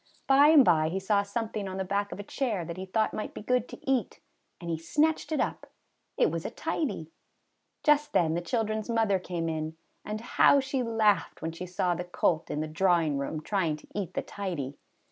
By and by he saw something on the back of a chair that he thought might be good to eat, and he snatched it up. It was a tidy ! Just then the children's mother came in, and how she laughed when she saw the colt in the drawing room trying to eat the tidy!